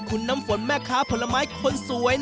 คุณน้ำฝนแม่ค้าผลไม้คนสวย